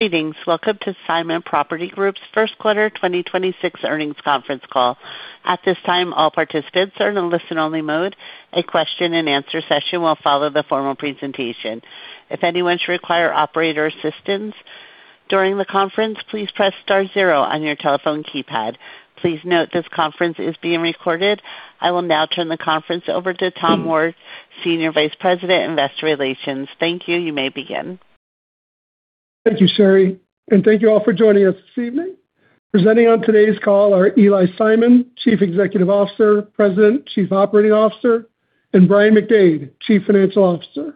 Greetings, Welcome to Simon Property Group's first quarter 2026 earnings conference call. At this time all participants are in listening mode, a question and answer session will follow the formal presentation.if anyone requires operator assistance during the conference, please press star zero on your telephone keypad, please note this conference is being recorded. I will now turn the conference over to Tom Ward, Senior Vice President, Investor Relations. Thank you. You may begin. Thank you, Sherry, and thank you all for joining us this evening. Presenting on today's call are Eli Simon, Chief Executive Officer, President, Chief Operating Officer, and Brian McDade, Chief Financial Officer.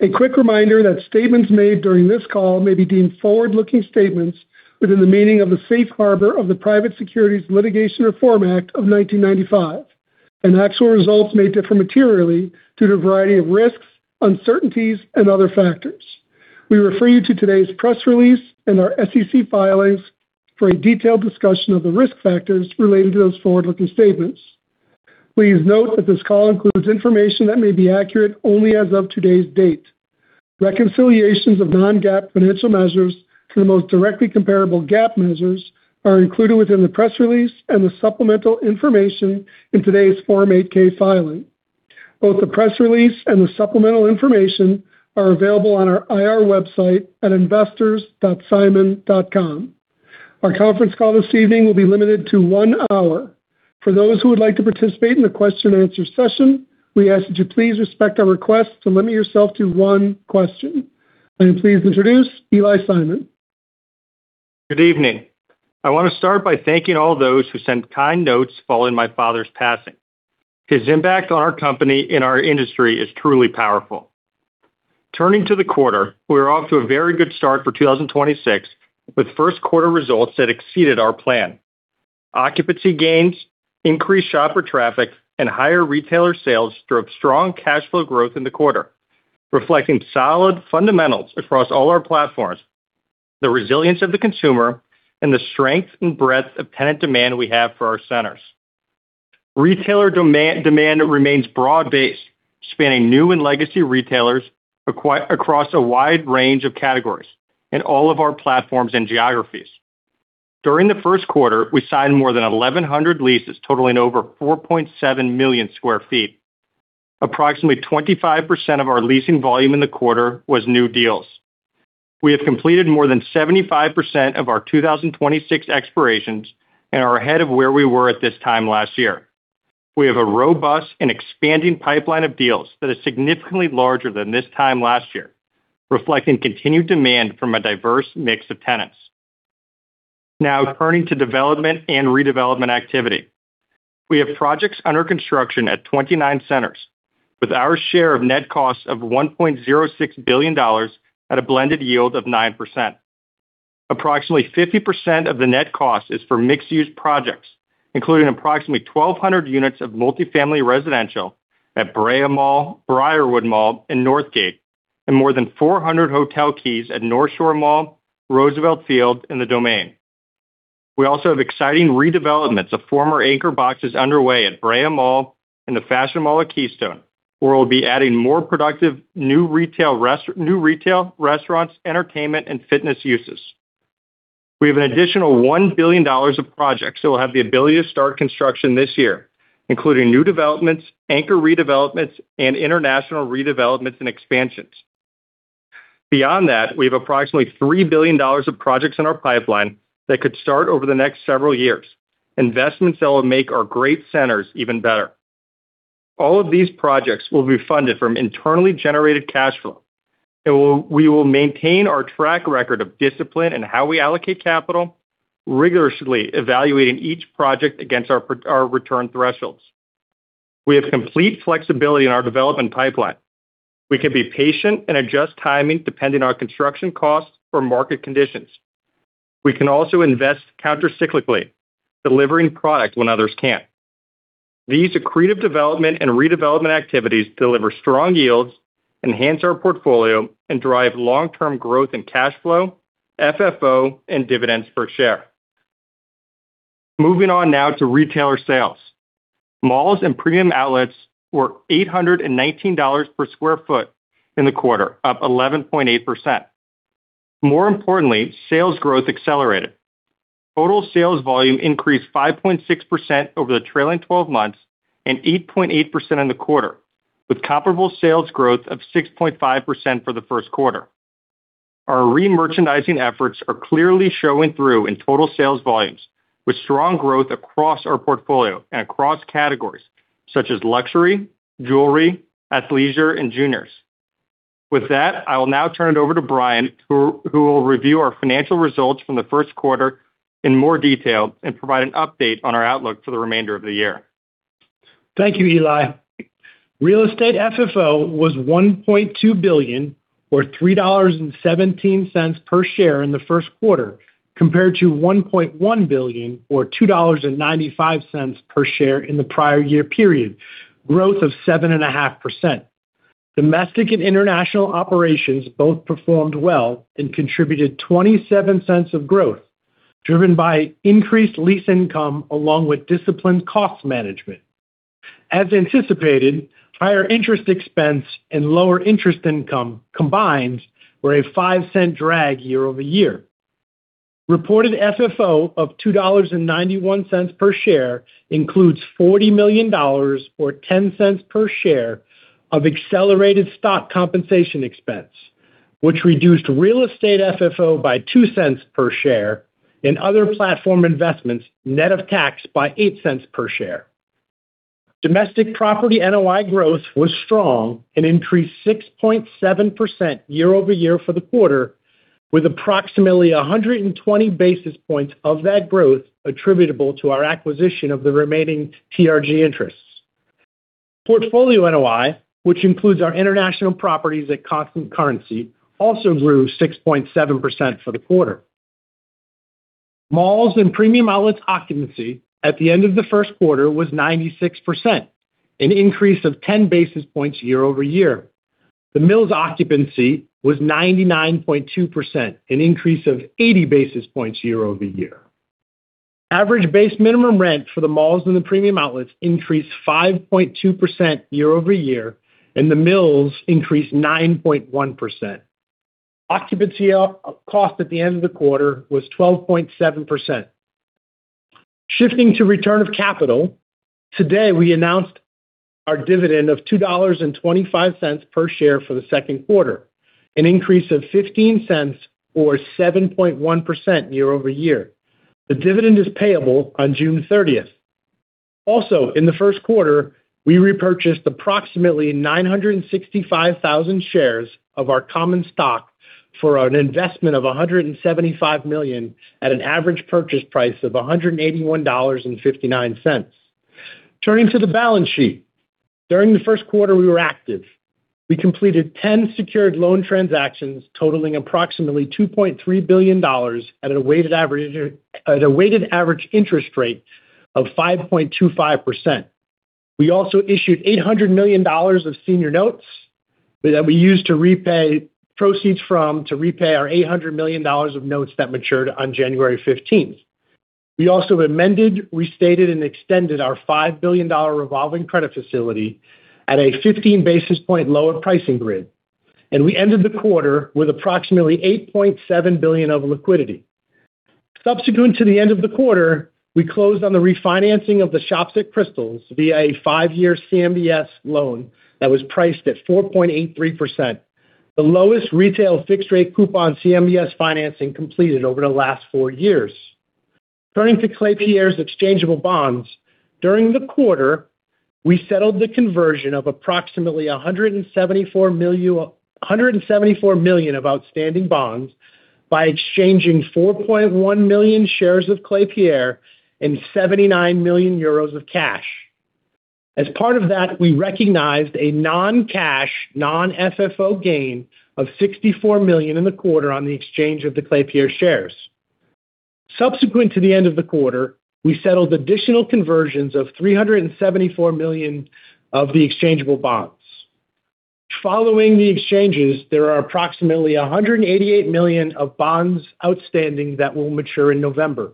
A quick reminder that statements made during this call may be deemed forward-looking statements within the meaning of the Safe Harbor of the Private Securities Litigation Reform Act of 1995, and actual results may differ materially due to a variety of risks, uncertainties, and other factors. We refer you to today's press release and our SEC filings for a detailed discussion of the risk factors related to those forward-looking statements. Please note that this call includes information that may be accurate only as of today's date. Reconciliations of non-GAAP financial measures to the most directly comparable GAAP measures are included within the press release and the supplemental information in today's Form 8-K filing. Both the press release and the supplemental information are available on our IR website at investors.simon.com. Our conference call this evening will be limited to one hour. For those who would like to participate in the question-and-answer session, we ask that you please respect our request to limit yourself to one question. I am pleased to introduce Eli Simon. Good evening. I want to start by thanking all those who sent kind notes following my father's passing. His impact on our company and our industry is truly powerful. Turning to the quarter, we're off to a very good start for 2026, with first quarter results that exceeded our plan. Occupancy gains, increased shopper traffic, and higher retailer sales drove strong cash flow growth in the quarter, reflecting solid fundamentals across all our platforms, the resilience of the consumer, and the strength and breadth of tenant demand we have for our centers. Retailer demand remains broad-based, spanning new and legacy retailers across a wide range of categories in all of our platforms and geographies. During the first quarter, we signed more than 1,100 leases totaling over 4.7 million sq ft. Approximately 25% of our leasing volume in the quarter was new deals. We have completed more than 75% of our 2026 expirations and are ahead of where we were at this time last year. We have a robust and expanding pipeline of deals that is significantly larger than this time last year, reflecting continued demand from a diverse mix of tenants. Turning to development and redevelopment activity. We have projects under construction at 29 centers, with our share of net costs of $1.06 billion at a blended yield of 9%. Approximately 50% of the net cost is for mixed-use projects, including approximately 1,200 units of multi-family residential at Brea Mall, Briarwood Mall, and Northgate, and more than 400 hotel keys at Northshore Mall, Roosevelt Field, and The Domain. We also have exciting redevelopments of former anchor boxes underway at Brea Mall and the Fashion Mall at Keystone, where we'll be adding more productive new retail, restaurants, entertainment, and fitness uses. We have an additional $1 billion of projects that will have the ability to start construction this year, including new developments, anchor redevelopments, and international redevelopments and expansions. Beyond that, we have approximately $3 billion of projects in our pipeline that could start over the next several years, investments that will make our great centers even better. All of these projects will be funded from internally generated cash flow, and we will maintain our track record of discipline in how we allocate capital, rigorously evaluating each project against our return thresholds. We have complete flexibility in our development pipeline. We can be patient and adjust timing depending on construction costs or market conditions. We can also invest counter-cyclically, delivering product when others can't. These accretive development and redevelopment activities deliver strong yields, enhance our portfolio, and drive long-term growth in cash flow, FFO, and dividends per share. Moving on now to retailer sales. Malls and premium outlets were $819 per sq ft in the quarter, up 11.8%. More importantly, sales growth accelerated. Total sales volume increased 5.6% over the trailing 12 months and 8.8% in the quarter, with comparable sales growth of 6.5% for the first quarter. Our re-merchandising efforts are clearly showing through in total sales volumes, with strong growth across our portfolio and across categories such as luxury, jewelry, athleisure, and juniors. With that, I will now turn it over to Brian, who will review our financial results from the first quarter in more detail and provide an update on our outlook for the remainder of the year. Thank you, Eli. Real estate FFO was $1.2 billion, or $3.17 per share in the first quarter, compared to $1.1 billion, or $2.95 per share in the prior year period, growth of 7.5%. Domestic and international operations both performed well and contributed $0.27 of growth, driven by increased lease income along with disciplined cost management. As anticipated, higher interest expense and lower interest income combined were a $0.05 drag year-over-year. Reported FFO of $2.91 per share includes $40 million or $0.10 per share of accelerated stock compensation expense, which reduced real estate FFO by $0.02 per share and other platform investments net of tax by $0.08 per share. Domestic property NOI growth was strong and increased 6.7% year-over-year for the quarter, with approximately 120 basis points of that growth attributable to our acquisition of the remaining TRG interests. Portfolio NOI, which includes our international properties at constant currency, also grew 6.7% for the quarter. Malls and premium outlets occupancy at the end of the first quarter was 96%, an increase of 10 basis points year-over-year. The Malls occupancy was 99.2%, an increase of 80 basis points year-over-year. Average base minimum rent for the Malls and the Premium Outlets increased 5.2% year-over-year, and the Malls increased 9.1%. Occupancy cost at the end of the quarter was 12.7%. Shifting to return of capital, today we announced our dividend of $2.25 per share for the second quarter, an increase of $0.15 or 7.1% year-over-year. The dividend is payable on June 30th. In the first quarter, we repurchased approximately 965,000 shares of our common stock for an investment of $175 million at an average purchase price of $181.59. Turning to the balance sheet. During the first quarter, we were active. We completed 10 secured loan transactions totaling approximately $2.3 billion at a weighted average interest rate of 5.25%. We also issued $800 million of senior notes that we used to repay our $800 million of notes that matured on January 15th. We also amended, restated and extended our $5 billion revolving credit facility at a 15 basis point lower pricing grid. We ended the quarter with approximately $8.7 billion of liquidity. Subsequent to the end of the quarter, we closed on the refinancing of the Shops at Crystals via a five-year CMBS loan that was priced at 4.83%, the lowest retail fixed rate coupon CMBS financing completed over the last four years. Turning to Klépierre's exchangeable bonds. During the quarter, we settled the conversion of approximately 174 million of outstanding bonds by exchanging 4.1 million shares of Klépierre and 79 million euros of cash. As part of that, we recognized a non-cash, non-FFO gain of $64 million in the quarter on the exchange of the Klépierre shares. Subsequent to the end of the quarter, we settled additional conversions of 374 million of the exchangeable bonds. Following the exchanges, there are approximately 188 million of bonds outstanding that will mature in November.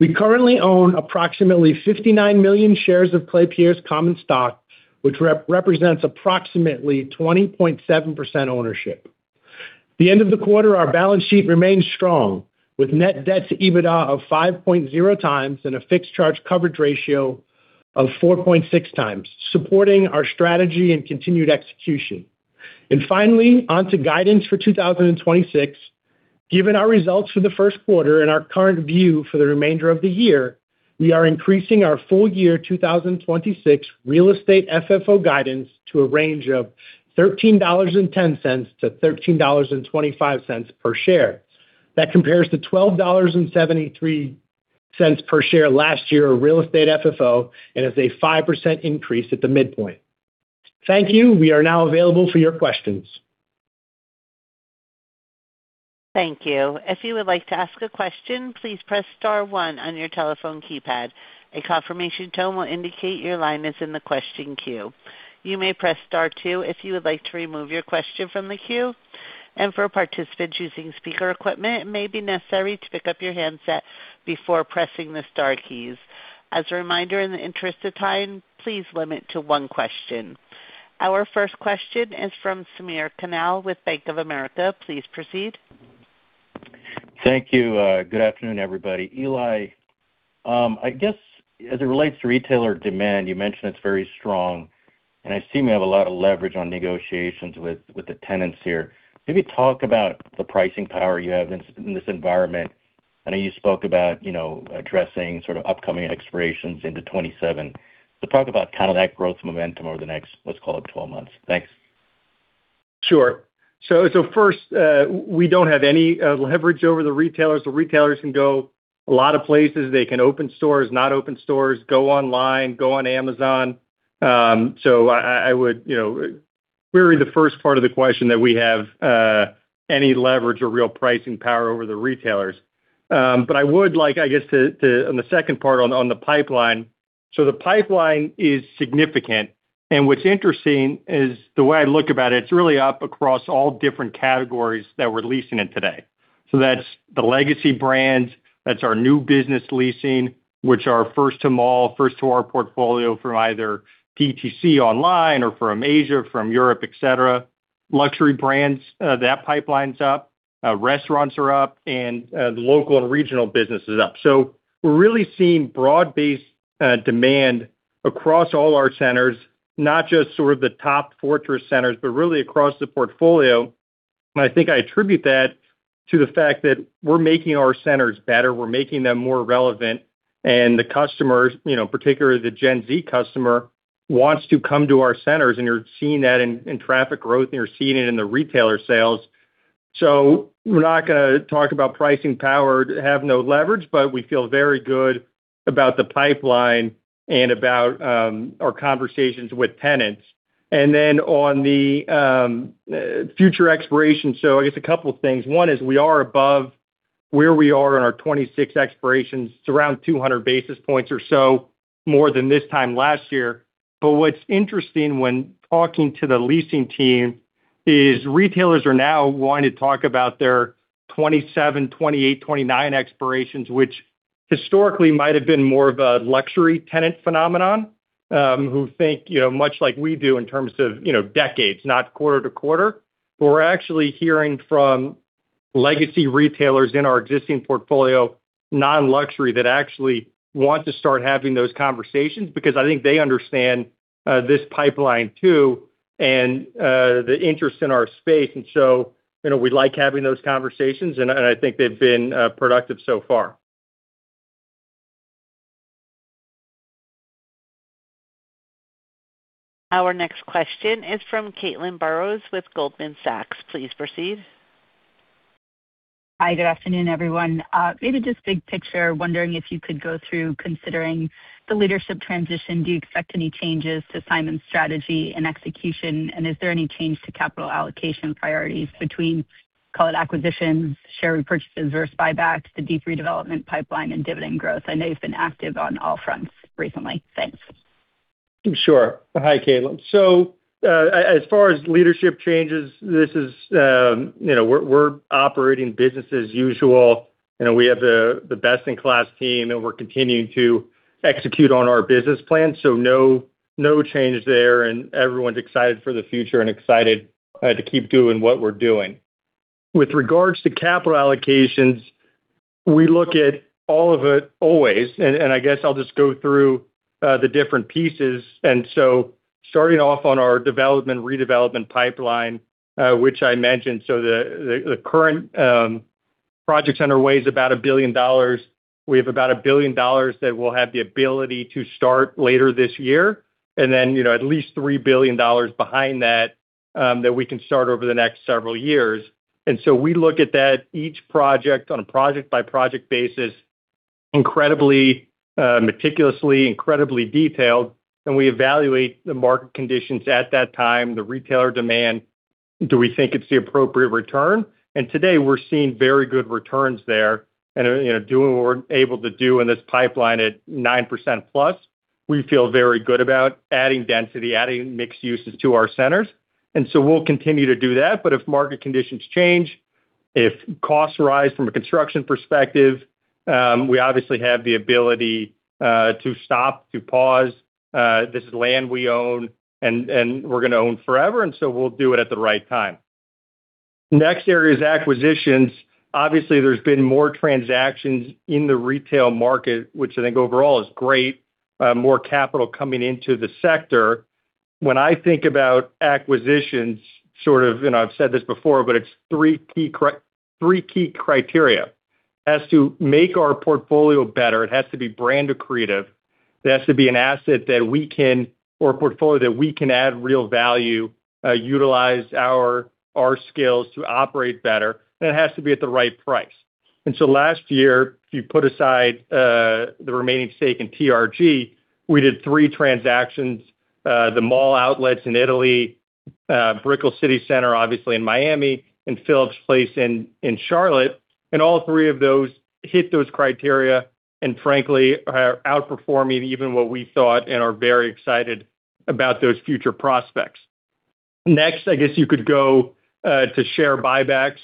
We currently own approximately 59 million shares of Klépierre's common stock, which represents approximately 20.7% ownership. The end of the quarter, our balance sheet remains strong, with net debt to EBITDA of 5.0x and a fixed charge coverage ratio of 4.6x, supporting our strategy and continued execution. Finally, onto guidance for 2026. Given our results for the first quarter and our current view for the remainder of the year, we are increasing our full year 2026 real estate FFO guidance to a range of $13.10-$13.25 per share. That compares to $12.73 per share last year of real estate FFO and is a 5% increase at the midpoint. Thank you. We are now available for your questions. Thank you. If you would like to ask a question, please press star one on your telephone keypad. A confirmation tone will indicate your line is in the question queue. You may press star two if you would like to remove your question from the queue. For participants using speaker equipment, it may be necessary to pick up your handset before pressing the star keys. As a reminder, in the interest of time, please limit to one question. Our first question is from Samir Khanal with Bank of America. Please proceed. Thank you. Good afternoon, everybody. Eli, I guess as it relates to retailer demand, you mentioned it's very strong, and I assume you have a lot of leverage on negotiations with the tenants here. Maybe talk about the pricing power you have in this environment. I know you spoke about, you know, addressing sort of upcoming expirations into 2027. Talk about kind of that growth momentum over the next, let's call it 12 months. Thanks. Sure. First, we don't have any leverage over the retailers. The retailers can go a lot of places. They can open stores, not open stores, go online, go on Amazon. I would, you know, We're in the first part of the question that we have any leverage or real pricing power over the retailers. I would like, I guess, to on the second part on the pipeline. The pipeline is significant, and what's interesting is the way I look about it's really up across all different categories that we're leasing in today. That's the legacy brands, that's our new business leasing, which are first to mall, first to our portfolio from either PTC Online or from Asia, from Europe, et cetera. Luxury brands, that pipeline's up. Restaurants are up, and the local and regional business is up. We're really seeing broad-based demand across all our centers, not just sort of the top fortress centers, but really across the portfolio. I think I attribute that to the fact that we're making our centers better, we're making them more relevant. The customers, you know, particularly the Gen Z customer, wants to come to our centers, and you're seeing that in traffic growth, and you're seeing it in the retailer sales. We're not gonna talk about pricing power, have no leverage, but we feel very good about the pipeline and about our conversations with tenants. On the future expiration. I guess a couple things. One is we are above where we are in our 2026 expirations. It's around 200 basis points or so more than this time last year. What's interesting when talking to the leasing team is retailers are now wanting to talk about their 2027, 2028, 2029 expirations, which historically might have been more of a luxury tenant phenomenon, who think, you know, much like we do in terms of, you know, decades, not quarter to quarter. We're actually hearing from legacy retailers in our existing portfolio, non-luxury, that actually want to start having those conversations because I think they understand this pipeline too and the interest in our space. You know, we like having those conversations, and I think they've been productive so far. Our next question is from Caitlin Burrows with Goldman Sachs. Please proceed. Hi, good afternoon, everyone. Maybe just big picture, wondering if you could go through considering the leadership transition. Do you expect any changes to Simon's strategy and execution? Is there any change to capital allocation priorities between, call it acquisitions, share repurchases versus buybacks, the deep redevelopment pipeline and dividend growth? I know you've been active on all fronts recently. Thanks. Sure. Hi, Caitlin. As far as leadership changes, we're operating business as usual. We have the best in class team, and we're continuing to execute on our business plan, no change there, and everyone's excited for the future and excited to keep doing what we're doing. With regards to capital allocations, we look at all of it always, I guess I'll just go through the different pieces. Starting off on our development, redevelopment pipeline, which I mentioned, the current project center weighs about $1 billion. We have about $1 billion that will have the ability to start later this year. At least $3 billion behind that we can start over the next several years. We look at that, each project on a project-by-project basis, incredibly meticulously, incredibly detailed, and we evaluate the market conditions at that time, the retailer demand. Do we think it's the appropriate return? Today, we're seeing very good returns there. You know, doing what we're able to do in this pipeline at 9%+, we feel very good about adding density, adding mixed uses to our centers, we'll continue to do that. If market conditions change, if costs rise from a construction perspective, we obviously have the ability to stop, to pause. This is land we own and we're gonna own forever, we'll do it at the right time. Next area is acquisitions. Obviously, there's been more transactions in the retail market, which I think overall is great. More capital coming into the sector. When I think about acquisitions, sort of, I've said this before, but it's three key criteria. It has to make our portfolio better. It has to be brand accretive. It has to be an asset that we can, or a portfolio that we can add real value, utilize our skills to operate better, and it has to be at the right price. Last year, if you put aside, the remaining stake in TRG, we did three transactions. The mall outlets in Italy, Brickell City Centre, obviously in Miami, and Phillips Place in Charlotte. All three of those hit those criteria and frankly are outperforming even what we thought and are very excited about those future prospects. Next, I guess you could go to share buybacks.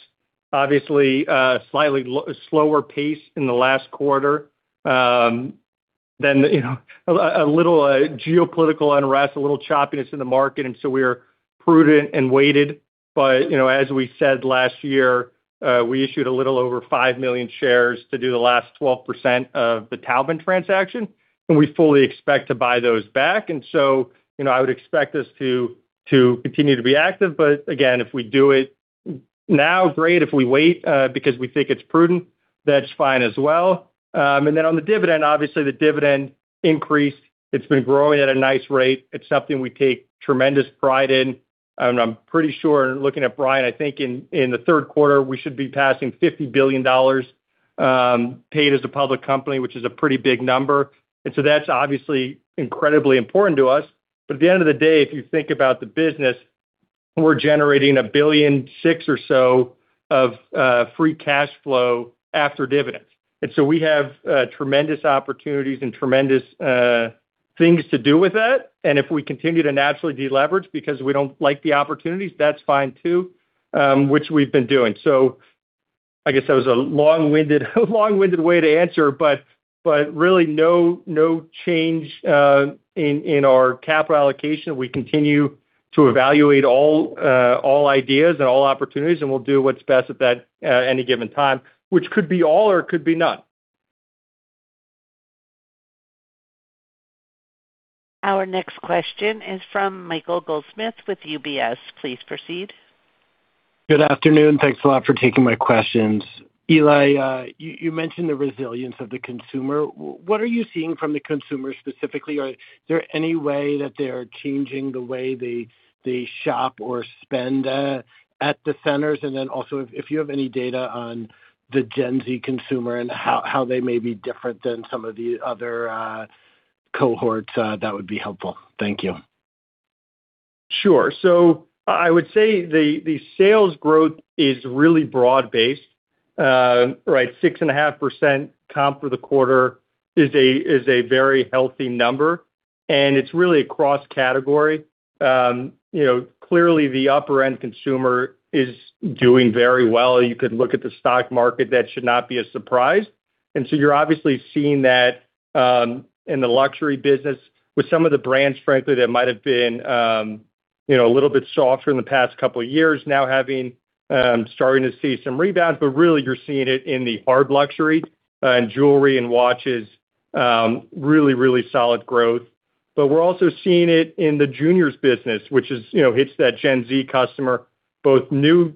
Obviously, slightly slower pace in the last quarter. Then, you know, a little geopolitical unrest, a little choppiness in the market, we are prudent and waited. You know, as we said last year, we issued a little over 5 million shares to do the last 12% of the Taubman transaction, we fully expect to buy those back. You know, I would expect us to continue to be active, but again, if we do it now, great. If we wait, because we think it's prudent, that's fine as well. On the dividend, obviously the dividend increased. It's been growing at a nice rate. It's something we take tremendous pride in. I'm pretty sure, looking at Brian, I think in the third quarter, we should be passing $50 billion paid as a public company, which is a pretty big number. That's obviously incredibly important to us. At the end of the day, if you think about the business, we're generating $1.6 billion or so of free cash flow after dividends. We have tremendous opportunities and tremendous things to do with that. If we continue to naturally deleverage because we don't like the opportunities, that's fine too, which we've been doing. I guess that was a long-winded way to answer, really no change in our capital allocation. We continue to evaluate all ideas and all opportunities, and we'll do what's best at any given time, which could be all or it could be none. Our next question is from Michael Goldsmith with UBS. Please proceed. Good afternoon. Thanks a lot for taking my questions. Eli, you mentioned the resilience of the consumer. What are you seeing from the consumer specifically? Are there any way that they are changing the way they shop or spend at the centers? Also if you have any data on the Gen Z consumer and how they may be different than some of the other cohorts, that would be helpful. Thank you. Sure. I would say the sales growth is really broad based. Right, 6.5% comp for the quarter is a, is a very healthy number, and it's really across category. You know, clearly the upper end consumer is doing very well. You could look at the stock market, that should not be a surprise. You're obviously seeing that in the luxury business with some of the brands, frankly, that might have been, you know, a little bit softer in the past couple of years now having starting to see some rebounds. Really you're seeing it in the hard luxury, and jewelry and watches, really, really solid growth. We're also seeing it in the juniors business, which is, you know, hits that Gen Z customer, both new,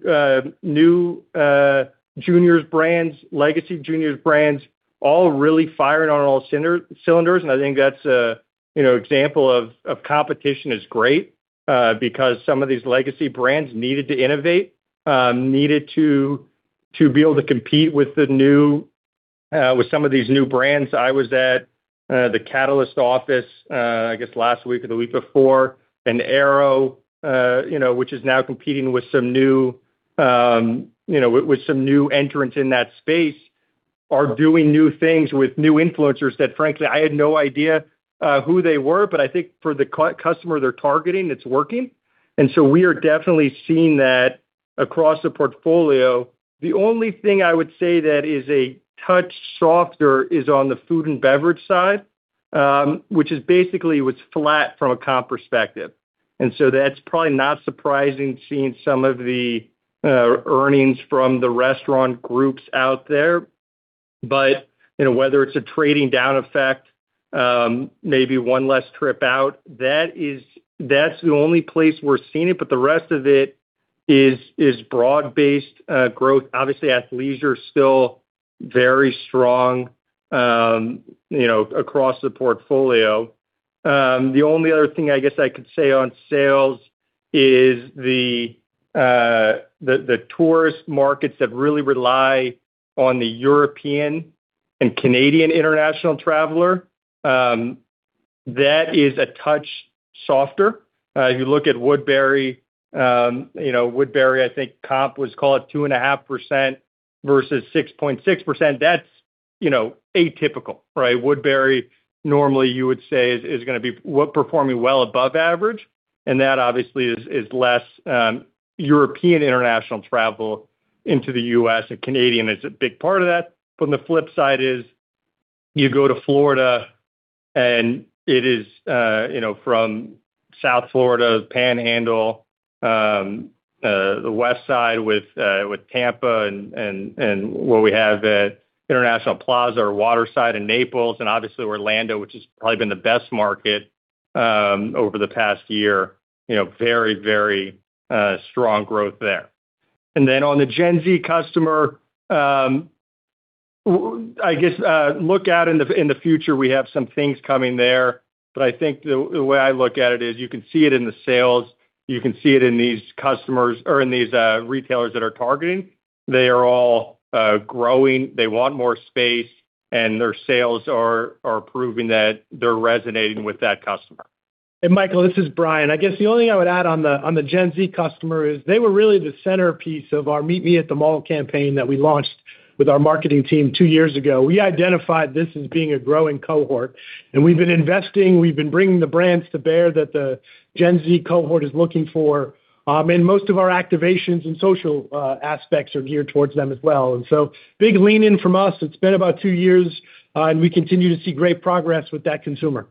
juniors brands, legacy juniors brands, all really firing on all cylinders. I think that's a, you know, example of competition is great, because some of these legacy brands needed to innovate, needed to be able to compete with the new, with some of these new brands. I was at the Catalyst office, I guess last week or the week before, and Aéropostale, you know, which is now competing with some new, you know, with some new entrants in that space are doing new things with new influencers that frankly, I had no idea, who they were, but I think for the customer they're targeting, it's working. We are definitely seeing that across the portfolio. The only thing I would say that is a touch softer is on the food and beverage side, which is basically was flat from a comp perspective. That's probably not surprising seeing some of the earnings from the restaurant groups out there. But, you know, whether it's a trading down effect, maybe one less trip out, that's the only place we're seeing it, but the rest of it is broad-based growth. Obviously, athleisure is still very strong, you know, across the portfolio. The only other thing I guess I could say on sales is the tourist markets that really rely on the European and Canadian international traveler, that is a touch softer. If you look at Woodbury, you know, Woodbury, I think comp was call it 2.5% versus 6.6%. That's, you know, atypical, right? Woodbury normally you would say is performing well above average, and that obviously is less European international travel into the U.S., and Canadian is a big part of that. From the flip side is you go to Florida and it is, you know, from South Florida, Panhandle, the West Side with Tampa and where we have the International Plaza or Waterside in Naples, and obviously Orlando, which has probably been the best market over the past year. You know, very strong growth there. On the Gen Z customer, look out in the future, we have some things coming there. I think the way I look at it is you can see it in the sales, you can see it in these customers or in these retailers that are targeting. They are all growing. They want more space, and their sales are proving that they're resonating with that customer. Michael, this is Brian. I guess the only thing I would add on the Gen Z customer is they were really the centerpiece of our Meet Me at the Mall campaign that we launched with our marketing team two years ago. We identified this as being a growing cohort, we've been investing, we've been bringing the brands to bear that the Gen Z cohort is looking for. Most of our activations and social aspects are geared towards them as well. Big lean in from us. It's been about two years, we continue to see great progress with that consumer.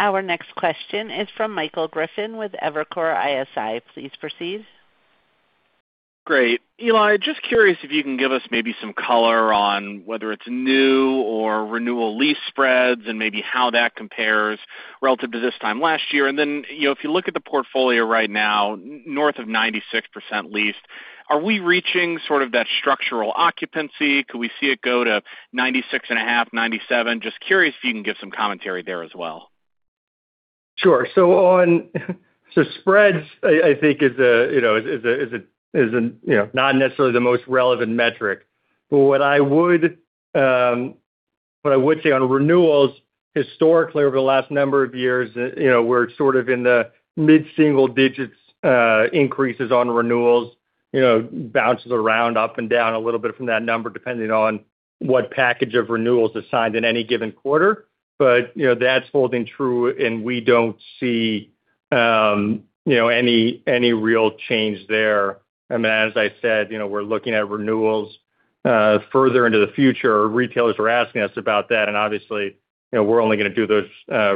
Our next question is from Michael Griffin with Evercore ISI. Please proceed. Great. Eli, just curious if you can give us maybe some color on whether it's new or renewal lease spreads and maybe how that compares relative to this time last year. You know, if you look at the portfolio right now, north of 96% leased, are we reaching sort of that structural occupancy? Could we see it go to 96.5%, 97%? Just curious if you can give some commentary there as well. Sure. Spreads I think is a, you know, not necessarily the most relevant metric. I would say on renewals, historically, over the last number of years, we're sort of in the mid-single digits increases on renewals. Bounces around up and down a little bit from that number, depending on what package of renewals is signed in any given quarter. That's holding true, and we don't see any real change there. As I said, we're looking at renewals further into the future. Retailers were asking us about that, and obviously, we're only gonna do those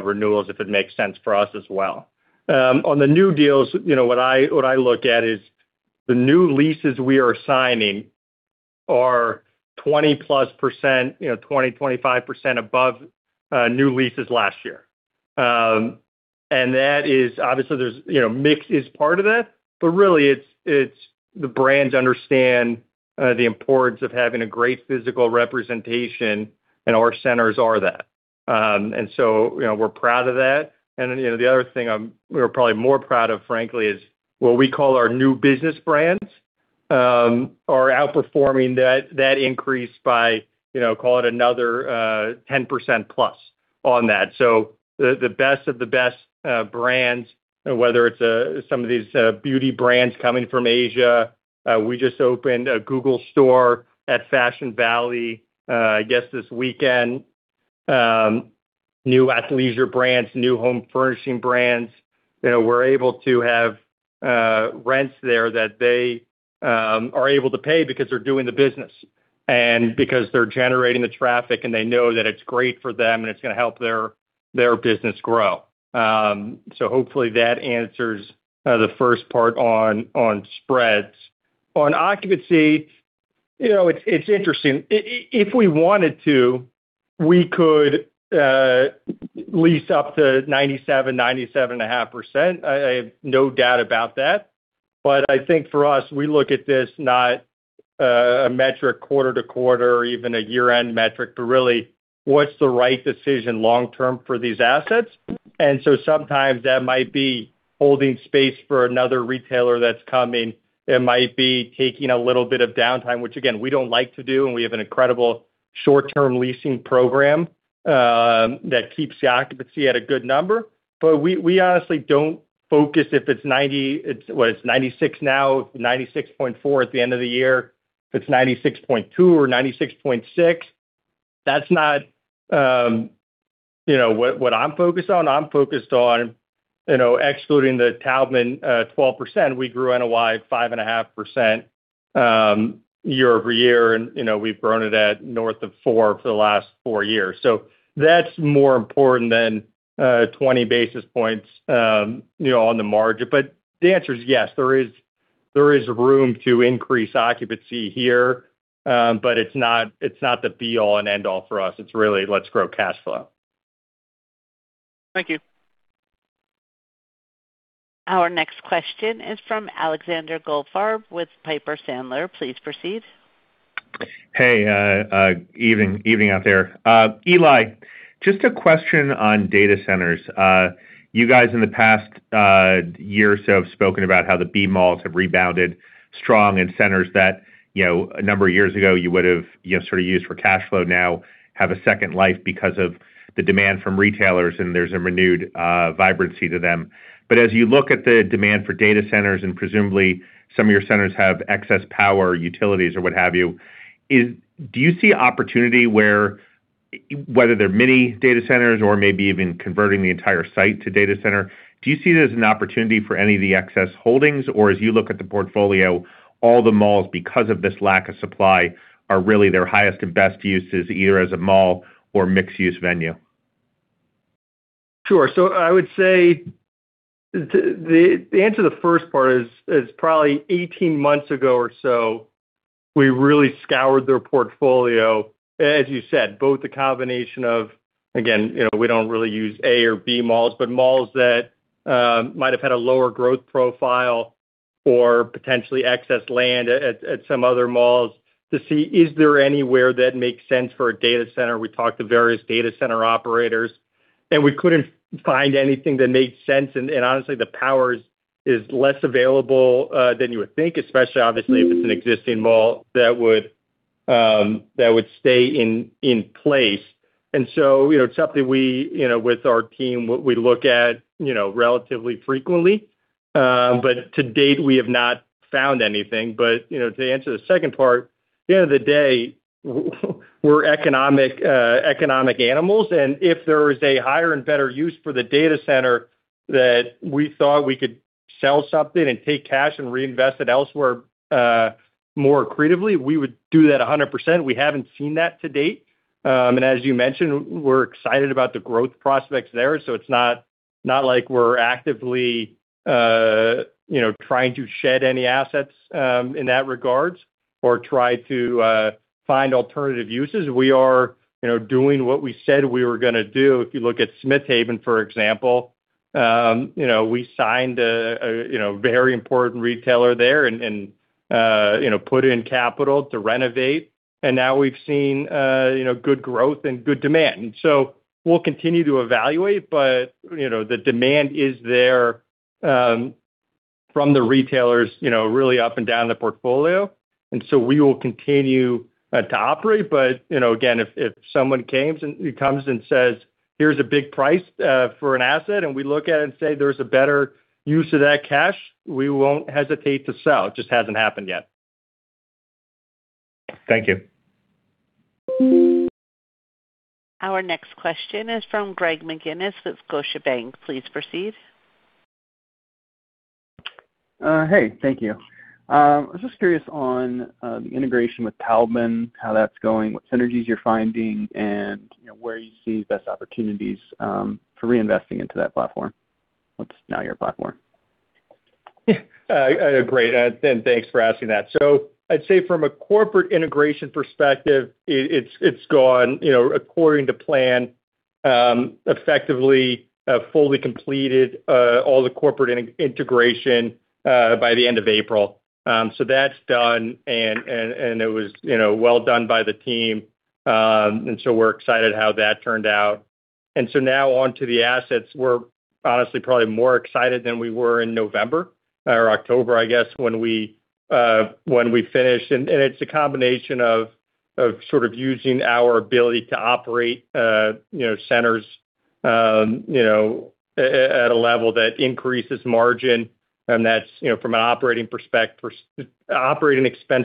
renewals if it makes sense for us as well. On the new deals, you know, what I look at is the new leases we are signing are 20%+, you know, 20%-25% above new leases last year. That is obviously there's, you know, mix is part of that, but really it's the brands understand the importance of having a great physical representation, and our centers are that. You know, we're proud of that. Then, you know, the other thing we're probably more proud of, frankly, is what we call our new business brands are outperforming that increase by, you know, call it another 10% plus on that. The best of the best brands, whether it's some of these beauty brands coming from Asia. We just opened a Google Store at Fashion Valley, I guess this weekend. New athleisure brands, new home furnishing brands, you know, we're able to have rents there that they are able to pay because they're doing the business and because they're generating the traffic, and they know that it's great for them, and it's gonna help their business grow. Hopefully that answers the first part on spreads. On occupancy, you know, it's interesting. If we wanted to, we could lease up to 97.5%. I have no doubt about that. I think for us, we look at this not a metric quarter to quarter or even a year-end metric, but really what's the right decision long-term for these assets. Sometimes that might be holding space for another retailer that's coming. It might be taking a little bit of downtime, which again, we don't like to do, and we have an incredible short-term leasing program that keeps the occupancy at a good number. We honestly don't focus if it's 96% now. If it's 96.4% at the end of the year, if it's 96.2% or 96.6%, that's not, you know, what I'm focused on. I'm focused on, you know, excluding the Taubman, 12%, we grew NOI 5.5% year-over-year and, you know, we've grown it at North of four for the last four-years. That's more important than 20 basis points, you know, on the margin. The answer is yes, there is room to increase occupancy here, but it's not the be all and end all for us. It's really let's grow cash flow. Thank you. Our next question is from Alexander Goldfarb with Piper Sandler. Please proceed. Hey, evening out there. Eli, just a question on data centers. You guys in the past year or so have spoken about how the B malls have rebounded strong and centers that, you know, a number of years ago you would've, you know, sort of used for cash flow now have a second life because of the demand from retailers, and there's a renewed vibrancy to them. As you look at the demand for data centers, and presumably some of your centers have excess power, utilities or what have you, do you see opportunity where, whether they're mini data centers or maybe even converting the entire site to data center, do you see it as an opportunity for any of the excess holdings? As you look at the portfolio, all the malls, because of this lack of supply, are really their highest and best uses, either as a mall or mixed use venue? Sure. I would say the answer to the first part is probably 18 months ago or so, we really scoured their portfolio, as you said, both the combination of, again, you know, we don't really use A or B malls, but malls that might have had a lower growth profile or potentially excess land at some other malls to see is there anywhere that makes sense for a data center. We talked to various data center operators, and we couldn't find anything that made sense. Honestly, the power is less available than you would think, especially obviously if it's an existing mall that would stay in place. It's something we, you know, with our team, what we look at, you know, relatively frequently. To date, we have not found anything. You know, to answer the second part, at the end of the day, we're economic animals, and if there is a higher and better use for the data center that we thought we could sell something and take cash and reinvest it elsewhere, more creatively, we would do that 100%. We haven't seen that to date. As you mentioned, we're excited about the growth prospects there. It's not like we're actively, you know, trying to shed any assets in that regards or try to find alternative uses. We are, you know, doing what we said we were gonna do. If you look at Smith Haven, for example, you know, we signed a, you know, very important retailer there and, put in capital to renovate, and now we've seen, you know, good growth and good demand. We'll continue to evaluate, but, you know, the demand is there. From the retailers, you know, really up and down the portfolio. We will continue to operate. You know, again, if someone comes and says, "Here's a big price for an asset," and we look at it and say, "There's a better use of that cash," we won't hesitate to sell. It just hasn't happened yet. Thank you. Our next question is from Greg McGinniss with Scotiabank. Please proceed. Hey, thank you. I was just curious on the integration with Taubman, how that's going, what synergies you're finding, and, you know, where you see the best opportunities for reinvesting into that platform, what's now your platform? Great, thanks for asking that. I'd say from a corporate integration perspective, it's gone, you know, according to plan, effectively fully completed all the corporate integration by the end of April. That's done and it was, you know, well done by the team. We're excited how that turned out. Now on to the assets. We're honestly probably more excited than we were in November or October, I guess, when we finished. It's a combination of sort of using our ability to operate, you know, centers, you know, at a level that increases margin. That's, you know, from an operating expense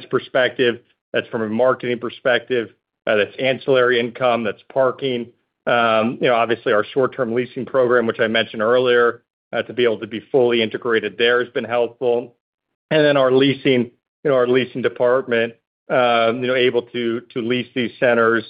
perspective, that's from a marketing perspective, that's ancillary income, that's parking. You know, obviously, our short-term leasing program, which I mentioned earlier, to be able to be fully integrated there has been helpful. Our leasing, you know, our leasing department, you know, able to lease these centers,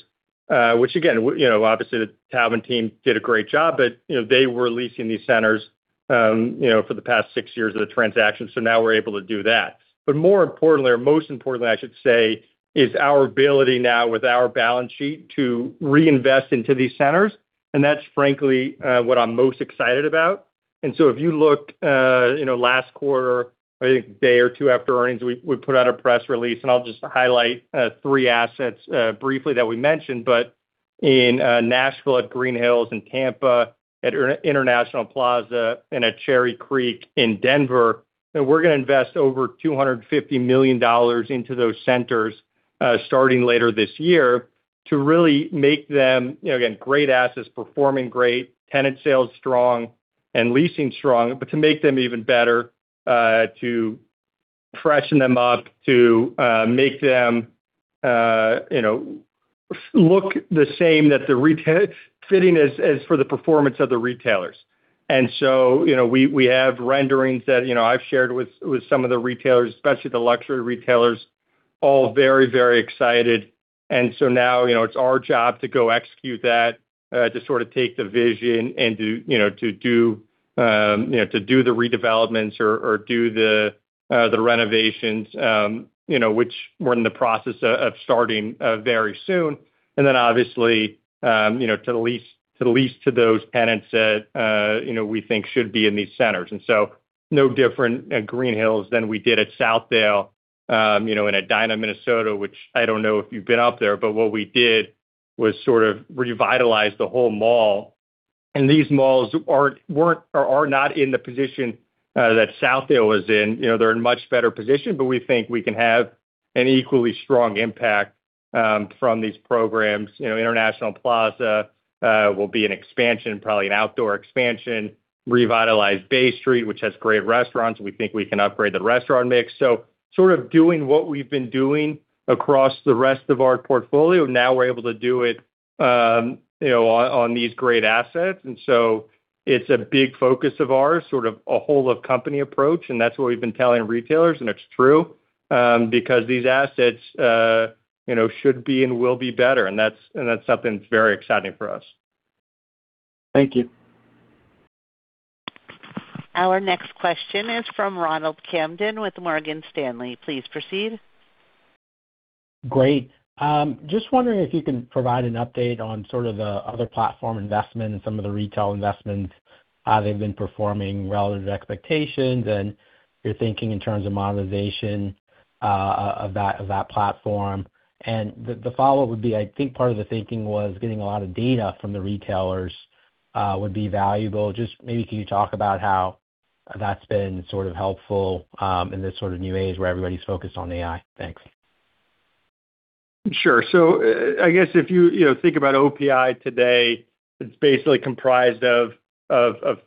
which again, you know, obviously the Taubman team did a great job, but you know, they were leasing these centers, you know, for the past six years of the transaction. Now we're able to do that. More importantly, or most importantly, I should say, is our ability now with our balance sheet to reinvest into these centers. That's frankly what I'm most excited about. If you looked, you know, last quarter, I think a day or two after earnings, we put out a press release, and I'll just highlight three assets briefly that we mentioned. In Nashville at Green Hills and Tampa at International Plaza and at Cherry Creek in Denver, we're going to invest over $250 million into those centers, starting later this year to really make them, you know, again, great assets, performing great, tenant sales strong and leasing strong, to make them even better, to freshen them up, to make them, you know, look the same that the retail fitting as for the performance of the retailers. You know, we have renderings that, you know, I've shared with some of the retailers, especially the luxury retailers, all very, very excited. Now, you know, it's our job to go execute that, to sort of take the vision and to, you know, to do, you know, to do the redevelopments or do the renovations, you know, which we're in the process of starting very soon. Obviously, you know, to lease to those tenants that, you know, we think should be in these centers. No different at Green Hills than we did at Southdale, you know, and at Edina, Minnesota, which I don't know if you've been up there, but what we did was sort of revitalize the whole mall. These malls aren't, weren't or are not in the position that Southdale was in. You know, they're in much better position, but we think we can have an equally strong impact from these programs. You know, International Plaza will be an expansion, probably an outdoor expansion, revitalize Bay Street, which has great restaurants. We think we can upgrade the restaurant mix. Sort of doing what we've been doing across the rest of our portfolio. Now we're able to do it, you know, on these great assets. It's a big focus of ours, sort of a whole of company approach, and that's what we've been telling retailers, and it's true, because these assets, you know, should be and will be better. And that's something that's very exciting for us. Thank you. Our next question is from Ronald Kamdem with Morgan Stanley. Please proceed. Great. Just wondering if you can provide an update on sort of the other platform investments and some of the retail investments, how they've been performing relative to expectations and your thinking in terms of monetization of that, of that platform. The follow-up would be, I think part of the thinking was getting a lot of data from the retailers would be valuable. Just maybe can you talk about how that's been sort of helpful in this sort of new age where everybody's focused on AI? Thanks. Sure. I guess if you know, think about OPI today, it's basically comprised of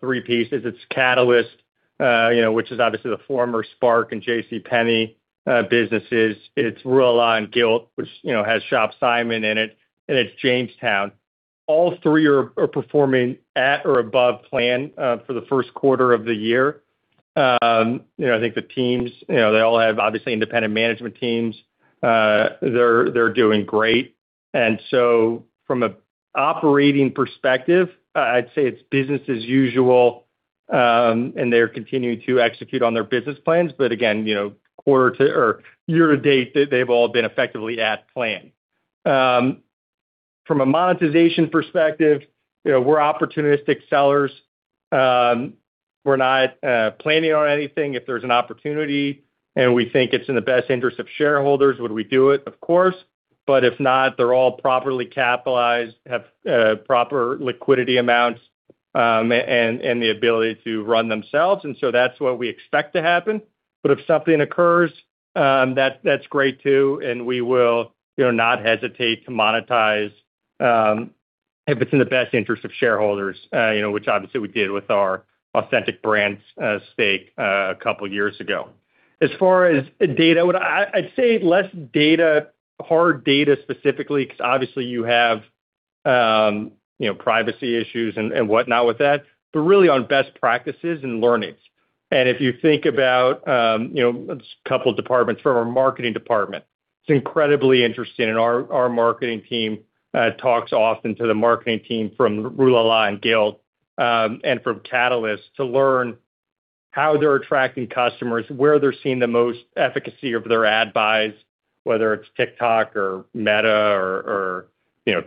three pieces. It's Catalyst, you know, which is obviously the former SPARC and JCPenney businesses. It's Rue La La and Gilt, which, you know, has ShopSimon in it, and it's Jamestown. All three are performing at or above plan for the first quarter of the year. You know, I think the teams, you know, they all have obviously independent management teams. They're doing great. From an operating perspective, I'd say it's business as usual, and they're continuing to execute on their business plans. Again, you know, quarter to or year to date, they've all been effectively at plan. From a monetization perspective, you know, we're opportunistic sellers. We're not planning on anything. If there's an opportunity and we think it's in the best interest of shareholders, would we do it? Of course. If not, they're all properly capitalized, have proper liquidity amounts, and the ability to run themselves. That's what we expect to happen. If something occurs, that's great too, and we will, you know, not hesitate to monetize if it's in the best interest of shareholders, which obviously we did with our Authentic Brands stake a couple years ago. As far as data, I'd say less data, hard data specifically, 'cause obviously you have, you know, privacy issues and whatnot with that, but really on best practices and learnings. If you think about, you know, just a couple departments from our marketing department, it's incredibly interesting. Our marketing team talks often to the marketing team from Rue La La and Gilt, and from Catalyst to learn how they're attracting customers, where they're seeing the most efficacy of their ad buys, whether it's TikTok or Meta or, you know,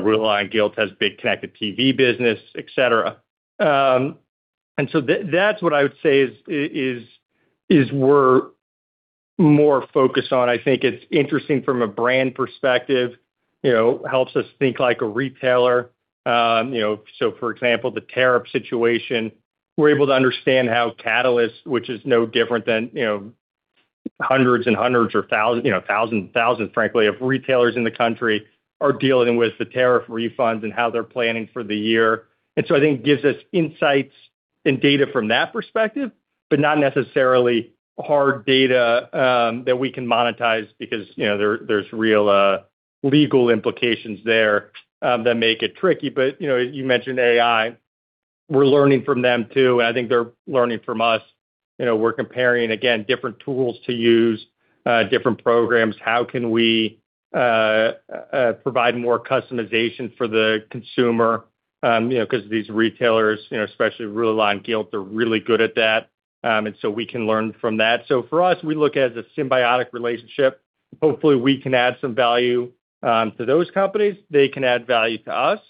Rue La La and Gilt has big connected TV business, et cetera. That's what I would say is we're more focused on. I think it's interesting from a brand perspective, you know, helps us think like a retailer. You know, for example, the tariff situation, we're able to understand how Catalyst, which is no different than, you know, thousands and thousands, frankly, of retailers in the country are dealing with the tariff refunds and how they're planning for the year. I think it gives us insights and data from that perspective, but not necessarily hard data that we can monetize because, you know, there's real legal implications there that make it tricky. You know, you mentioned AI. We're learning from them too. I think they're learning from us. You know, we're comparing, again, different tools to use, different programs. How can we provide more customization for the consumer? You know, 'cause these retailers, you know, especially Rue La La and Gilt, are really good at that. For us, we look at it as a symbiotic relationship. Hopefully, we can add some value to those companies. They can add value to us.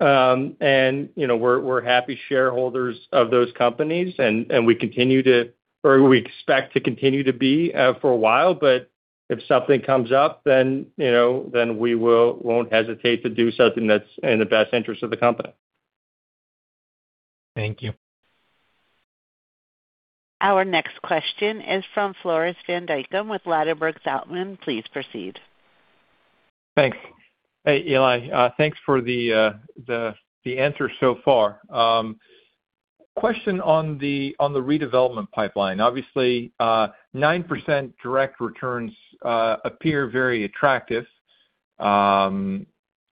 You know, we're happy shareholders of those companies, and we expect to continue to be for a while. If something comes up, then, you know, we won't hesitate to do something that's in the best interest of the company. Thank you. Our next question is from Floris van Dijkum with Ladenburg Thalmann. Please proceed. Thanks. Hey, Eli. Thanks for the answers so far. Question on the redevelopment pipeline. Obviously, 9% direct returns appear very attractive.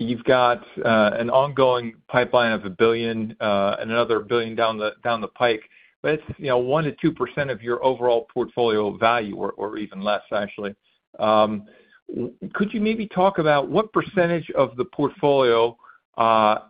You've got an ongoing pipeline of $1 billion and another $1 billion down the pike, but it's, you know, 1%-2% of your overall portfolio value or even less actually. Could you maybe talk about what percentage of the portfolio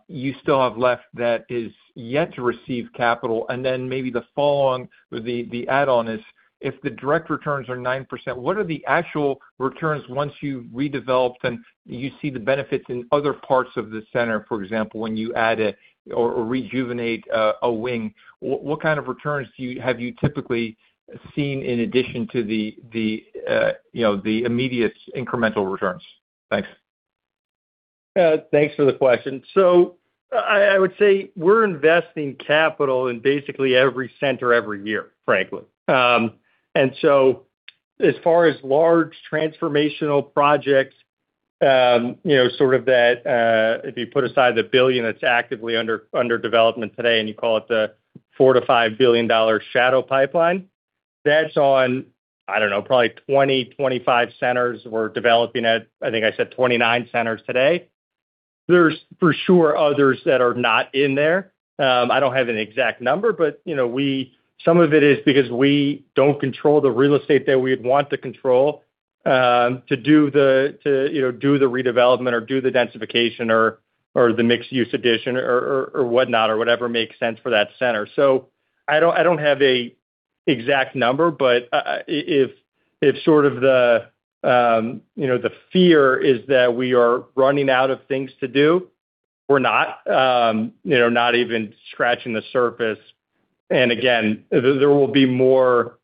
you still have left that is yet to receive capital? Then maybe the follow on or the add on is if the direct returns are 9%, what are the actual returns once you redevelop, then you see the benefits in other parts of the center, for example, when you add a or rejuvenate a wing. What kind of returns have you typically seen in addition to the, you know, the immediate incremental returns? Thanks. Thanks for the question. I would say we're investing capital in basically every center every year, frankly. As far as large transformational projects, you know, sort of that, if you put aside the $1 billion that's actively under development today and you call it the $4 billion-$5 billion shadow pipeline, that's on, I don't know, probably 20-25 centers we're developing at. I think I said 29 centers today. There's for sure others that are not in there. I don't have an exact number, but you know, some of it is because we don't control the real estate that we'd want to control, to do the, you know, do the redevelopment or do the densification or the mixed use addition or whatnot or whatever makes sense for that center. I don't, I don't have an exact number, but if sort of the, you know, the fear is that we are running out of things to do we're not. You know, not even scratching the surface. Again, there will be more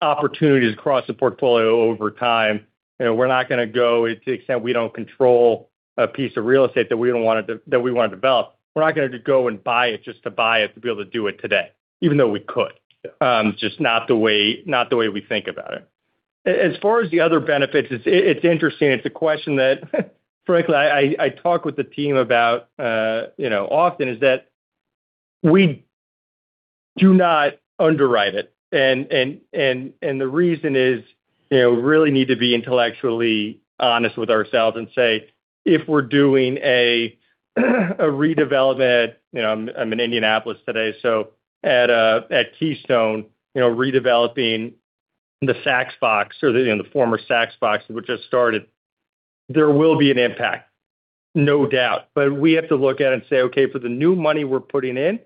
opportunities across the portfolio over time. You know, we're not gonna go to the extent we don't control a piece of real estate that we wanna develop. We're not gonna just go and buy it just to buy it to be able to do it today, even though we could. It's just not the way, not the way we think about it. As far as the other benefits, it's interesting. It's a question that frankly, I talk with the team about, you know, often, is that we do not underwrite it. The reason is, you know, we really need to be intellectually honest with ourselves and say, if we're doing a redevelopment, you know, I'm in Indianapolis today. At Keystone, you know, redeveloping the Saks box or the, you know, the former Saks box, which just started, there will be an impact, no doubt. We have to look at it and say, "Okay, for the new money we're putting in,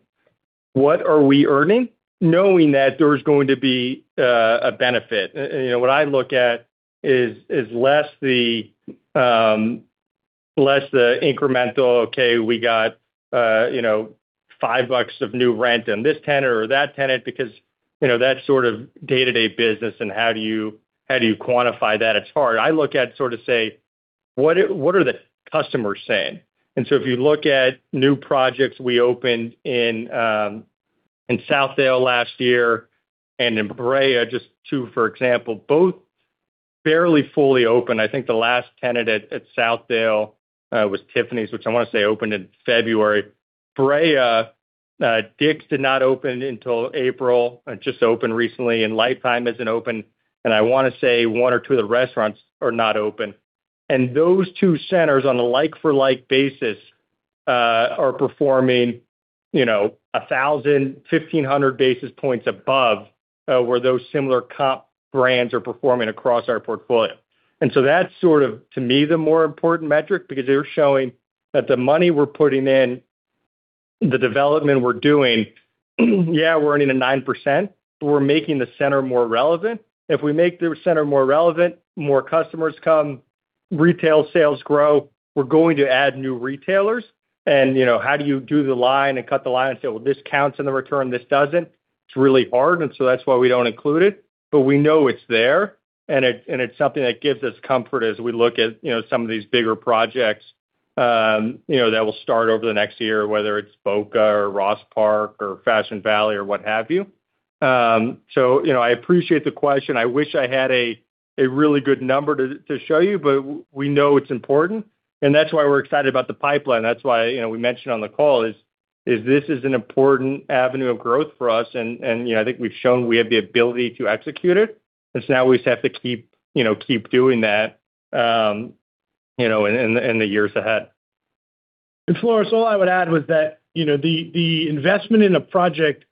what are we earning?" Knowing that there's going to be a benefit. You know, what I look at is less the incremental, okay, we got, you know, $5 of new rent on this tenant or that tenant because, you know, that sort of day-to-day business and how do you quantify that? It's hard. I look at sort of say, what are the customers saying? If you look at new projects we opened in Southdale last year and in Brea, just two, for example, both barely fully open. I think the last tenant at Southdale was Tiffany's, which I wanna say opened in February. Brea, Dick's did not open until April, just opened recently, and Life Time isn't open, and I wanna say one or two of the restaurants are not open. Those two centers, on a like-for-like basis, are performing, you know, 1,000, 1,500 basis points above where those similar comp brands are performing across our portfolio. That's sort of to me, the more important metric because they're showing that the money we're putting in, the development we're doing, yeah, we're earning a 9%, but we're making the center more relevant. If we make the center more relevant, more customers come, retail sales grow. We're going to add new retailers and, you know how do you do the line and cut the line and say, "Well, this counts in the return, this doesn't." It's really hard, that's why we don't include it. We know it's there, and it's something that gives us comfort as we look at, you know some of these bigger projects, you know, that will start over the next year, whether it's Boca or Ross Park or Fashion Valley or what have you. You know, I appreciate the question. I wish I had a really good number to show you, but we know it's important, and that's why we're excited about the pipeline. That's why you know, we mentioned on the call is this is an important avenue of growth for us and, you know, I think we've shown we have the ability to execute it. It's now we just have to keep, you know, keep doing that you know, in the years ahead. Floris, all I would add was that the investment in a project,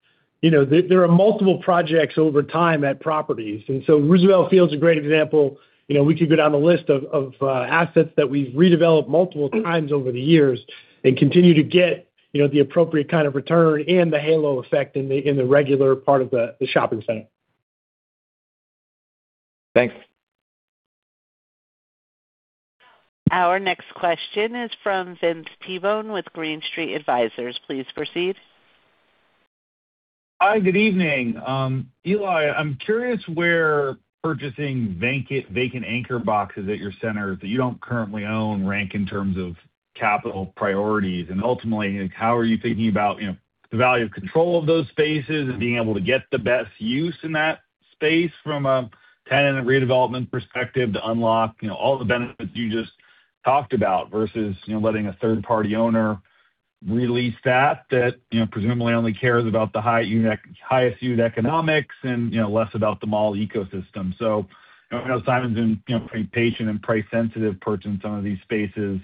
there are multiple projects over time at properties. Roosevelt Field's a great example. We could go down the list of assets that we've redeveloped multiple times over the years and continue to get the appropriate kind of return and the halo effect in the regular part of the shopping center. Thanks. Our next question is from Vince Tibone with Green Street Advisors. Please proceed. Hi, good evening. Eli, I'm curious where purchasing vacant anchor boxes at your center that you don't currently own rank in terms of capital priorities. Ultimately, like, how are you thinking about, you know, the value of control of those spaces and being able to get the best use in that space from a tenant redevelopment perspective to unlock, you know, all the benefits you just talked about versus, you know, letting a third-party owner release that, you know, presumably only cares about the highest unit economics and, you know, less about the mall ecosystem. You know, Simon's been, you know, pretty patient and price sensitive purchasing some of these spaces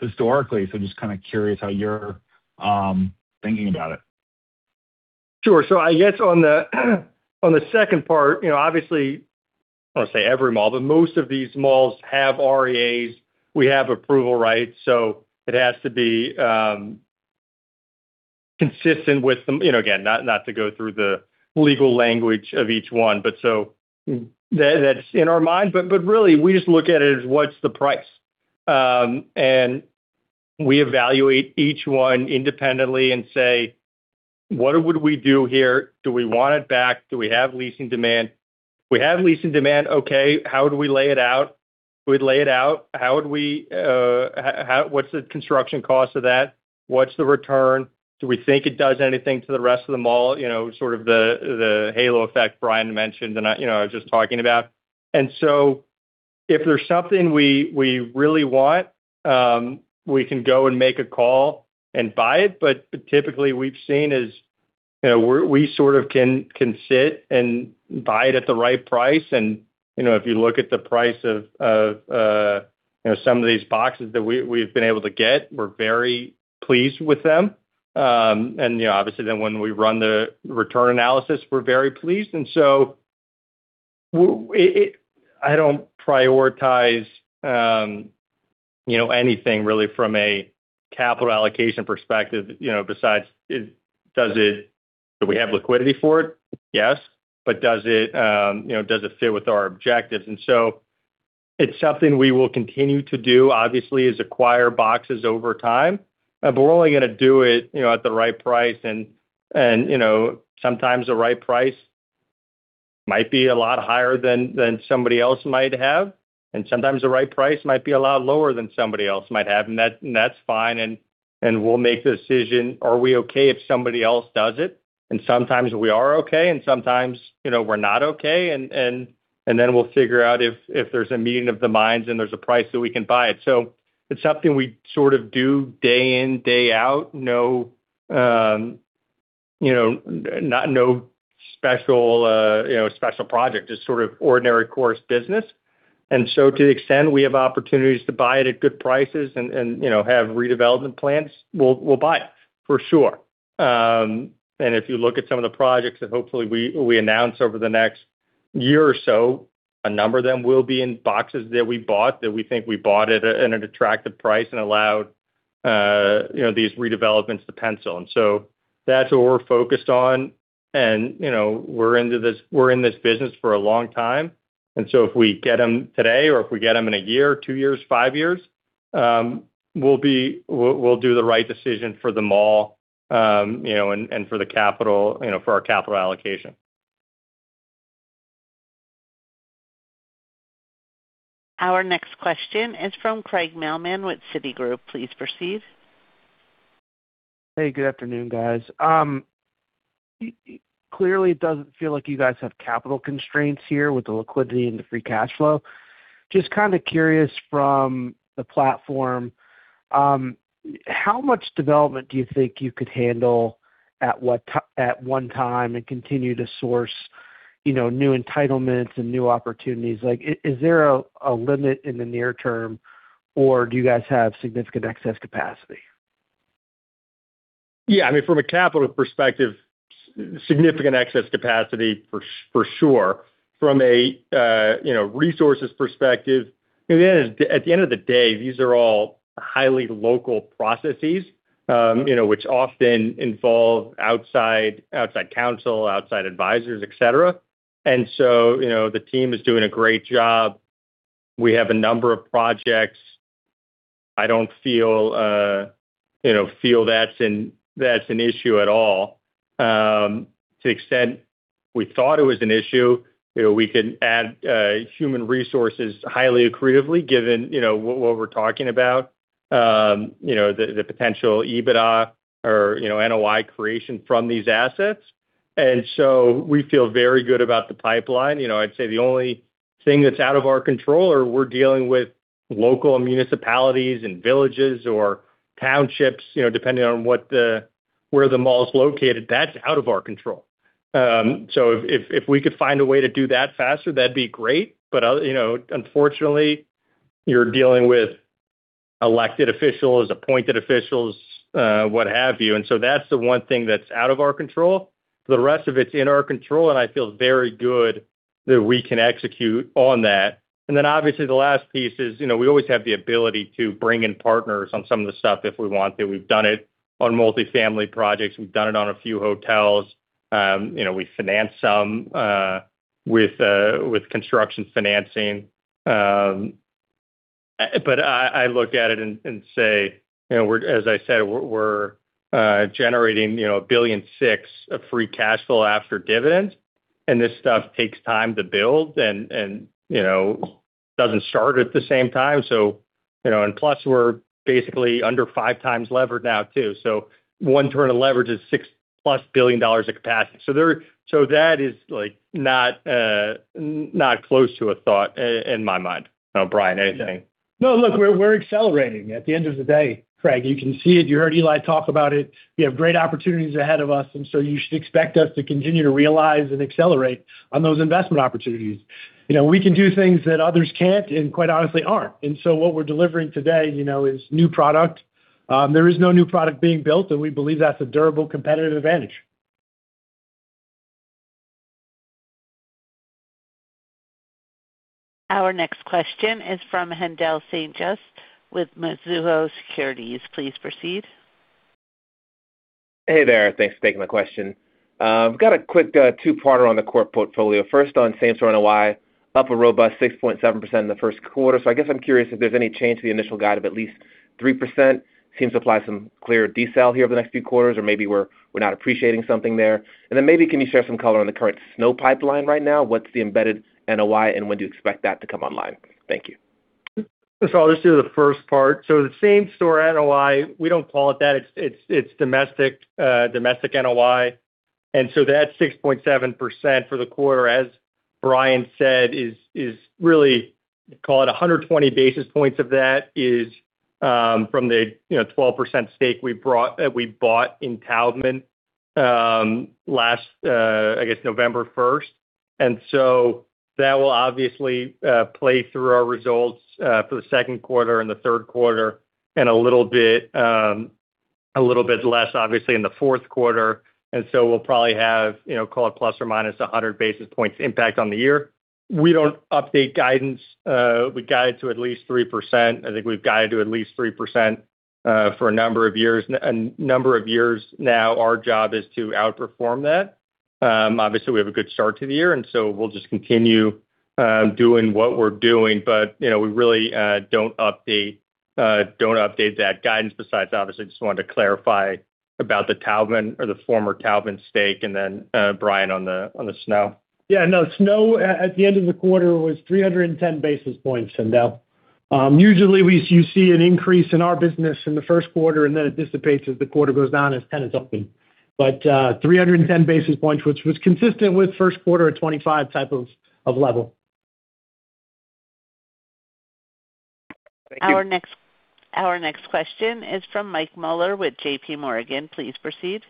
historically. Just kind of curious how you're thinking about it. Sure. I guess on the, on the second part, you know, obviously, I don't wanna say every mall, but most of these malls have REAs. We have approval rights, it has to be consistent with the You know, again, not to go through the legal language of each one, that's in our mind. Really we just look at it as what's the price. We evaluate each one independently and say, "What would we do here? Do we want it back? Do we have leasing demand? If we have leasing demand, okay, how do we lay it out? Do we lay it out? How would we, how what's the construction cost of that? What's the return? Do we think it does anything to the rest of the mall? You know, sort of the halo effect Brian mentioned and I, you know, I was just talking about. If there's something we really want, we can go and make a call and buy it. But typically what we've seen is, you know, we sort of can sit and buy it at the right price. You know, if you look at the price of, you know, some of these boxes that we've been able to get, we're very pleased with them. Obviously then when we run the return analysis, we're very pleased. I don't prioritize, you know, anything really from a capital allocation perspective, you know, besides do we have liquidity for it? Yes. Does it, you know, does it fit with our objectives? It's something we will continue to do, obviously, is acquire boxes over time. We're only gonna do it, you know, at the right price and, you know, sometimes the right price might be a lot higher than somebody else might have, and sometimes the right price might be a lot lower than somebody else might have. That's fine, and we'll make the decision, are we okay if somebody else does it? Sometimes we are okay, and sometimes, you know, we're not okay. Then we'll figure out if there's a meeting of the minds and there's a price that we can buy it. It's something we sort of do day in, day out. No, you know not no special, you know, special project. Just sort of ordinary course business. To the extent we have opportunities to buy it at good prices and, you know, have redevelopment plans, we'll buy it, for sure. If you look at some of the projects that hopefully we announce over the next year or so, a number of them will be in boxes that we bought, that we think we bought at an attractive price and allowed, you know, these redevelopments to pencil. That's what we're focused on. You know, we're in this business for a long time. If we get them today or if we get them in one-year, two-years, five-years, we'll do the right decision for the mall, you know, and for the capital, you know, for our capital allocation. Our next question is from Craig Mailman with Citigroup. Please proceed. Hey, good afternoon, guys. clearly it doesn't feel like you guys have capital constraints here with the liquidity and the free cash flow. Just kind of curious from the platform, how much development do you think you could handle at one time and continue to source, you know, new entitlements and new opportunities? Like, is there a limit in the near term, or do you guys have significant excess capacity? Yeah. I mean, from a capital perspective, significant excess capacity for sure. From a, you know, resources perspective, I mean, at the end of the day, these are all highly local processes, you know, which often involve outside counsel, outside advisors, et cetera. You know, the team is doing a great job. We have a number of projects. I don't feel, you know, that's an issue at all. To the extent we thought it was an issue, you know, we can add human resources highly accretively given, you know, what we're talking about, you know, the potential EBITDA or, you know, NOI creation from these assets. We feel very good about the pipeline. You know, I'd say the only thing that's out of our control are we're dealing with local municipalities and villages or townships, you know, depending on where the mall's located. That's out of our control. So if we could find a way to do that faster, that'd be great. You know, unfortunately, you're dealing with elected officials, appointed officials, what have you. That's the one thing that's out of our control. The rest of it's in our control, and I feel very good that we can execute on that. Obviously the last piece is, you know, we always have the ability to bring in partners on some of the stuff if we want to. We've done it on multifamily projects. We've done it on a few hotels. You know, we finance some with construction financing. I look at it and say, you know, as I said, we're generating, you know, $1.6 billion of free cash flow after dividends, and this stuff takes time to build and, you know, doesn't start at the same time. You know, and plus we're basically under 5x levered now too. one turn of leverage is $6+ billion of capacity. That is, like, not close to a thought in my mind. Now, Brian, anything. No, look we're accelerating. At the end of the day, Craig, you can see it. You heard Eli talk about it. We have great opportunities ahead of us. You should expect us to continue to realize and accelerate on those investment opportunities. You know, we can do things that others can't and quite honestly aren't. What we're delivering today, you know, is new product. There is no new product being built. We believe that's a durable competitive advantage. Our next question is from Haendel St. Juste with Mizuho Securities. Please proceed. Hey there. Thanks for taking my question. I've got a quick two-parter on the core portfolio. First, on same-store NOI, up a robust 6.7% in the first quarter. I guess I'm curious if there's any change to the initial guide of at least 3%. Seems to apply some clear decel here over the next few quarters, or maybe we're not appreciating something there. Maybe can you share some color on the current SNO pipeline right now? What's the embedded NOI, and when do you expect that to come online? Thank you. I'll just do the first part. The same store NOI, we don't call it that. It's domestic NOI. That 6.7% for the quarter, as Brian said, is really, call it 120 basis points of that is from the, you know, 12% stake that we bought in Taubman, last, I guess November 1st. That will obviously play through our results for the second quarter and the third quarter and a little bit less, obviously, in the fourth quarter. We'll probably have, you know, call it ±100 basis points impact on the year. We don't update guidance. We guide to at least 3%. I think we've guided to at least 3% for a number of years. A number of years now, our job is to outperform that. Obviously, we have a good start to the year, we'll just continue doing what we're doing. You know, we really don't update that guidance besides obviously just wanted to clarify about the Taubman or the former Taubman stake and then, Brian, on the snow. Yeah, no, snow at the end of the quarter was 310 basis points, Haendel. Usually you see an increase in our business in the first quarter, then it dissipates as the quarter goes down. It's kind of lumpy. 310 basis points, which was consistent with first quarter of 2025 type of level. Thank you. Our next question is from Michael Mueller with JPMorgan. Please proceed.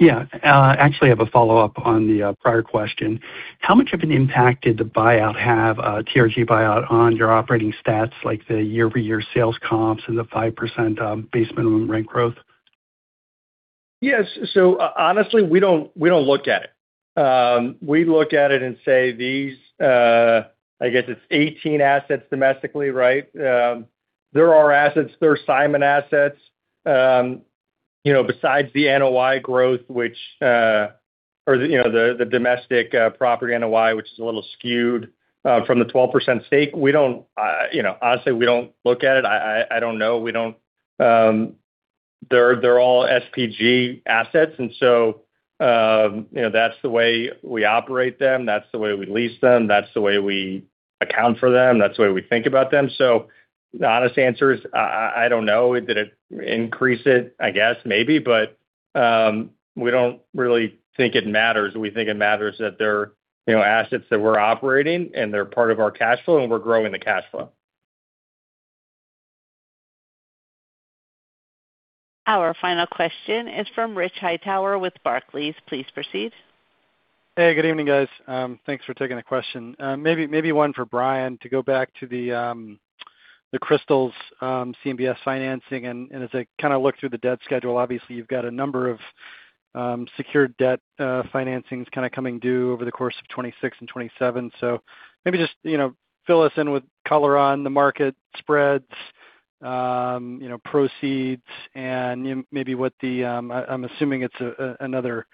Yeah. Actually have a follow-up on the prior question. How much of an impact did the buyout have, TRG buyout on your operating stats like the year-over-year sales comps and the 5%, base minimum rent growth? Yes. Honestly, we don't look at it. We look at it and say these, I guess it's 18 assets domestically, right? There are assets, they're Simon assets. You know, besides the domestic property NOI, which is a little skewed from the 12% stake. You know, honestly, we don't look at it. I don't know. They're all SPG assets. You know, that's the way we operate them, that's the way we lease them, that's the way we account for them, that's the way we think about them. The honest answer is I don't know. Did it increase it? I guess, maybe. We don't really think it matters. We think it matters that they're, you know, assets that we're operating and they're part of our cash flow, and we're growing the cash flow. Our final question is from Rich Hightower with Barclays. Please proceed. Hey, good evening, guys. Thanks for taking the question. Maybe one for Brian to go back to the Crystals, CMBS financing. As I kind of look through the debt schedule, obviously you've got a number of secured debt financings kind of coming due over the course of 2026 and 2027. Maybe just, you know, fill us in with color on the market spreads, you know, proceeds and maybe what the I'm assuming it's another,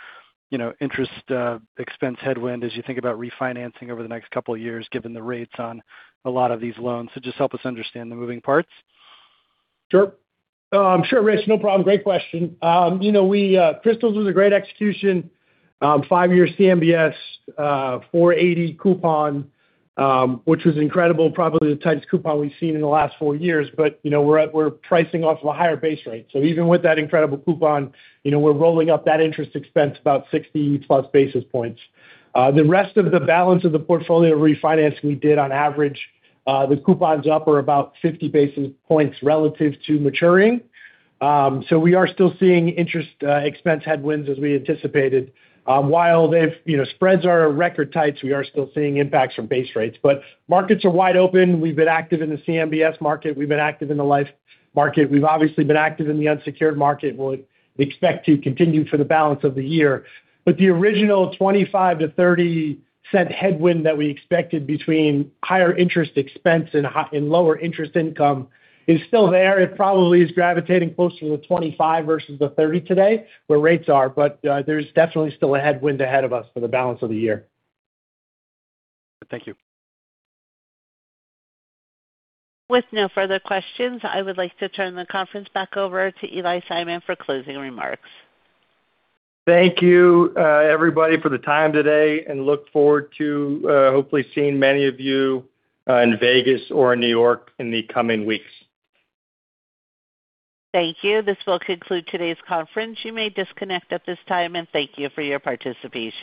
you know, interest expense headwind as you think about refinancing over the next couple of years given the rates on a lot of these loans. Just help us understand the moving parts. Sure, Rich, no problem. Great question. You know, Crystals was a great execution. five-year CMBS, 480 coupon, which was incredible, probably the tightest coupon we've seen in the last four-years. You know, we're pricing off of a higher base rate. Even with that incredible coupon, you know, we're rolling up that interest expense about 60+ basis points. The rest of the balance of the portfolio refinance we did on average, the coupons up are about 50 basis points relative to maturing. We are still seeing interest expense headwinds as we anticipated. While they've, you know, spreads are at record tights, we are still seeing impacts from base rates. Markets are wide open. We've been active in the CMBS market. We've been active in the life market. We've obviously been active in the unsecured market. We'll expect to continue for the balance of the year. The original $0.25-$0.30 headwind that we expected between higher interest expense and lower interest income is still there. It probably is gravitating closer to the $0.25 versus the $0.30 today where rates are. There's definitely still a headwind ahead of us for the balance of the year. Thank you. With no further questions, I would like to turn the conference back over to Eli Simon for closing remarks. Thank you, everybody, for the time today, and look forward to, hopefully seeing many of you, in Vegas or in New York in the coming weeks. Thank you. This will conclude today's conference. You may disconnect at this time, and thank you for your participation.